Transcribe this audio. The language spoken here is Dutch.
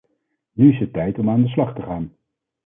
Nu is het tijd om aan de slag te gaan.